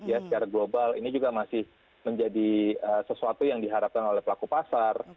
ya secara global ini juga masih menjadi sesuatu yang diharapkan oleh pelaku pasar